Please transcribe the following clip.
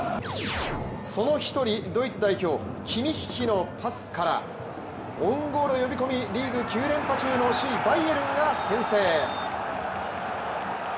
その一人、ドイツ代表キミッヒのパスからオウンゴールを呼び込みリーグ９連覇中の首位バイエルンが先制。